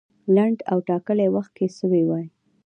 لنډ او ټاکلي وخت کې سوی وای.